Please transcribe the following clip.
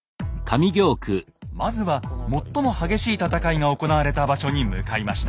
まずは最も激しい戦いが行われた場所に向かいました。